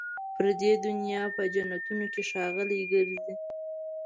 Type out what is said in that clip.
پر دې دنیا په جنتونو کي ښاغلي ګرځي